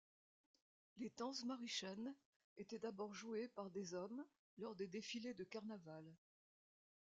Les Tanzmariechen étaient d'abord jouées par des hommes lors des défilés de carnavals.